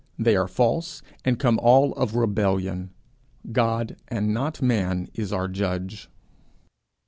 They are false, and come all of rebellion. God and not man is our judge.'